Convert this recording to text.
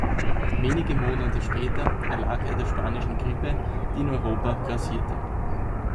Wenige Monate später erlag er der Spanischen Grippe, die in Europa grassierte.